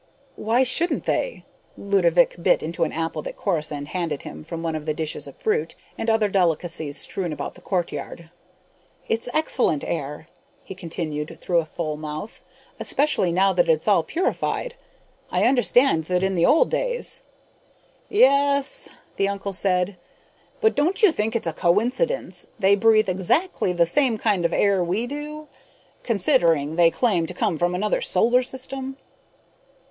"Why shouldn't they?" Ludovick bit into an apple that Corisande handed him from one of the dishes of fruit and other delicacies strewn about the courtyard. "It's excellent air," he continued through a full mouth, "especially now that it's all purified. I understand that in the old days " "Yes," the uncle said, "but don't you think it's a coincidence they breathe exactly the same kind of air we do, considering they claim to come from another solar system?"